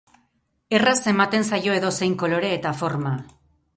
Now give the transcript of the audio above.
Erraz ematen zaio edozein kolore eta forma.